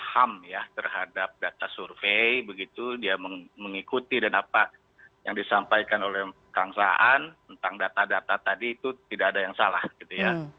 paham ya terhadap data survei begitu dia mengikuti dan apa yang disampaikan oleh kang saan tentang data data tadi itu tidak ada yang salah gitu ya